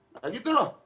nah gitu loh